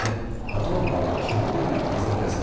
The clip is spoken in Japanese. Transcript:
あとは基本的な感染対策